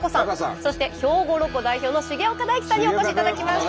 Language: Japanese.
そして兵庫ロコ代表の重岡大毅さんにお越しいただきました。